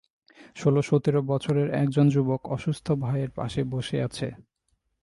ষোল-সতের বছরের এক জন যুবক অসুস্থ ভাইয়ের পাশে বসে আছে।